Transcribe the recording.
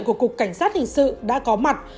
của cục cảnh sát hình sự đã có mặt